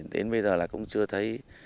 đến bây giờ là cũng chưa thấy